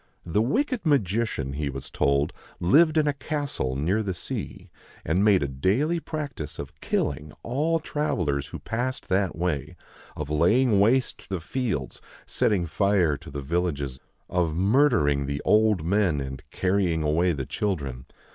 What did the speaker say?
The wicked magician, he was told, lived in a castle near the sea, and made a daily practice of killing all travellers who passed that way, of laying waste the fields, setting fire to the villages, of murdering the old men and carrying away the children.